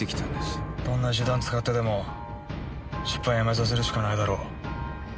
どんな手段使ってでも出版やめさせるしかないだろ。